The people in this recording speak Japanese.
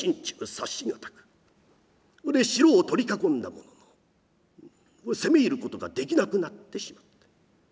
察し難く城を取り囲んだものの攻め入ることができなくなってしまった。